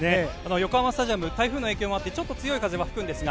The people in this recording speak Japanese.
横浜スタジアムは台風の影響もあってちょっと強い風も吹くんですが